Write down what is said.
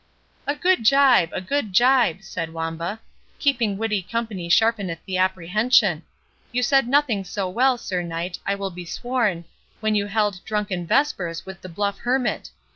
"A good gibe! a good gibe!" said Wamba; "keeping witty company sharpeneth the apprehension. You said nothing so well, Sir Knight, I will be sworn, when you held drunken vespers with the bluff Hermit.